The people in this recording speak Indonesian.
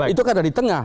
itu kan dari tengah